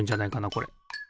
これ。